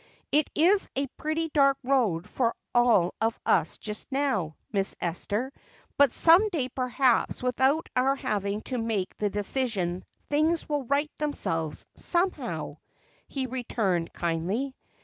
"It is a pretty dark road for all of us just now, Miss Esther, but some day perhaps without our having to make the decision things will right themselves somehow," he returned kindly.